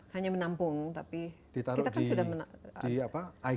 hanya menampung tapi kita kan sudah menangkap